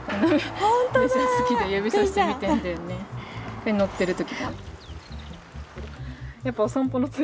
これ乗ってる時。